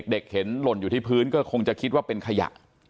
เห็นหล่นอยู่ที่พื้นก็คงจะคิดว่าเป็นขยะ